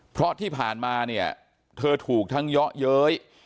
เพราะที่ผ่านมาเนี่ยเธอถูกทั้งเยาะเย้ย